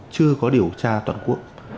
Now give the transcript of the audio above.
chưa có điều tra toàn quốc